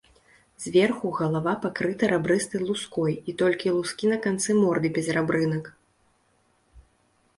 Зверху галава пакрыта рабрыстай луской, і толькі лускі на канцы морды без рабрынак.